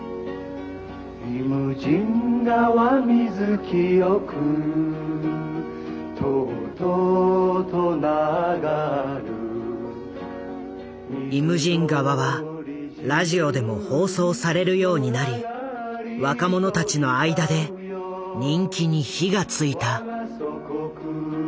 清くとうとうと流る」「イムジン河」はラジオでも放送されるようになり若者たちの間で人気に火がついた。